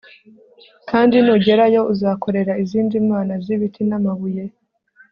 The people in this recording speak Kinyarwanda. kandi nugerayo uzakorera izindi mana z ibiti n amabuye